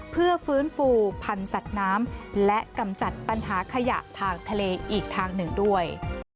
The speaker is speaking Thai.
เพื่อฟื้นฟูพันธุ์สัตว์น้ำและกำจัดปัญหาขยะทางทะเลอีกทางหนึ่งด้วย